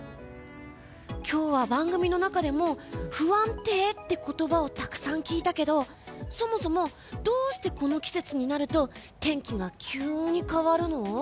今日は番組の中でも不安定って言葉をたくさん聞いたけどそもそもどうしてこの季節になると天気が急に変わるの？